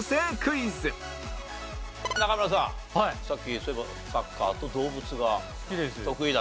さっきそういえばサッカーと動物が得意だと。